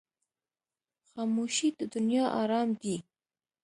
خاموشي، د دنیا آرام دی.